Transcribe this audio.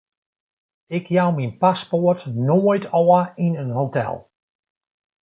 Ik jou myn paspoart noait ôf yn in hotel.